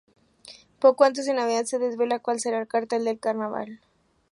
Poco antes de Navidad, se desvela cuál será el cartel del Carnaval.